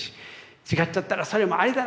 違っちゃったらそれもアリだなぁ。